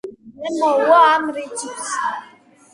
რა მოუვა ამ რიცხვს?